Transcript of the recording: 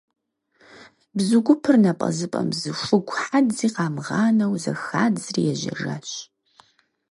Бзу гупыр напӀэзыпӀэм зы хугу хьэдзи къамыгъанэу зэхадзри ежьэжащ.